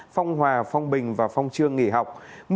phong hòa phong bình và phong trương nghỉ học